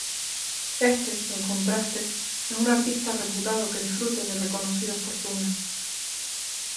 Éste, en contraste, es un artista reputado que disfruta de reconocida fortuna.